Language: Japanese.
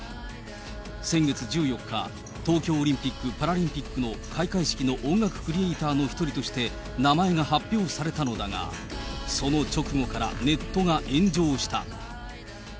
先月１４日、東京オリンピック・パラリンピックの開会式の音楽クリエーターの一人として名前が発表されたのだが、その直後から、ネットが炎上した。